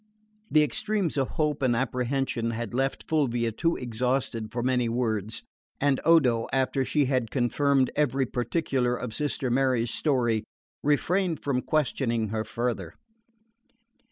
The extremes of hope and apprehension had left Fulvia too exhausted for many words, and Odo, after she had confirmed every particular of Sister Mary's story, refrained from questioning her farther.